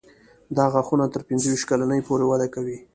دا غاښونه تر پنځه ویشت کلنۍ پورې وده کوي.